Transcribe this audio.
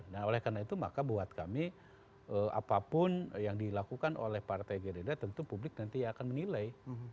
nah oleh karena itu maka buat kami apapun yang dilakukan oleh partai gerindra tentu publik nanti akan menilai